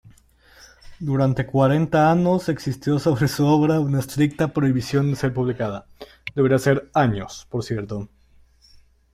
Durante cuarenta anos existió sobre su obra una estricta prohibición de ser publicada.